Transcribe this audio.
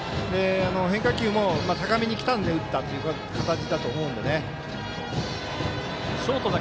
変化球も高めにきたので打ったという形だと思うのでね。